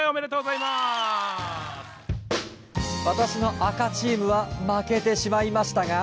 私の赤チームは負けてしまいましたが。